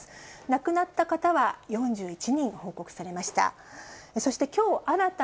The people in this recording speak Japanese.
亡くなった方は４１人報告されました。